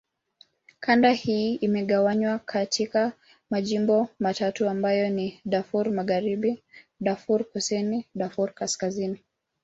Kanda hii imegawanywa katika majimbo matatu ambayo ni: Darfur Magharibi, Darfur Kusini, Darfur Kaskazini.